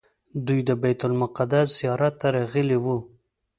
دوی د بیت المقدس زیارت ته راغلي وو.